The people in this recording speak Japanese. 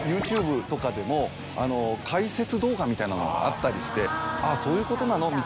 ＹｏｕＴｕｂｅとかでも解説動画みたいなのもあったりしてあぁそういうことなの？